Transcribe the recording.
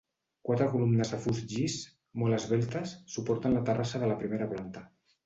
Quatre columnes de fust llis, molt esveltes, suporten la terrassa de la primera planta.